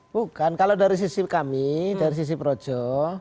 bukan kalau dari sisi kami dari sisi projo